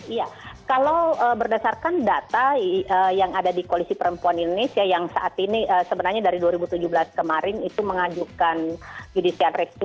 iya kalau berdasarkan data yang ada di koalisi perempuan indonesia yang saat ini sebenarnya dari dua ribu tujuh belas kemarin itu mengajukan judicial review